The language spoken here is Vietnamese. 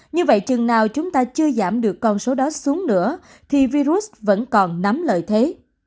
như vậy chừng nào chúng ta chưa giảm được con số đó xuống nữa thì virus vẫn còn nắm lợi thế